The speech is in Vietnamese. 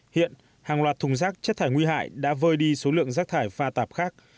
hiện hàng loạt thùng rác chất thải nguy hại đã vơi đi số lượng rác thải pha tạp khác